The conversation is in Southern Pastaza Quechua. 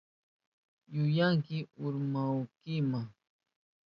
Yuyanki urmahunkima.